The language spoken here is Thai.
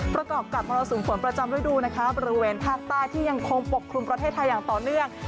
ประกอบกับมรสุมฝนประจำฤดูนะคะบริเวณภาคใต้ที่ยังคงปกคลุมประเทศไทยอย่างต่อเนื่อง